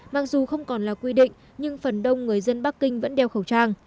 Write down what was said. mặc dù không còn là quy định nhưng phần đông người dân bắc kinh vẫn đeo khẩu trang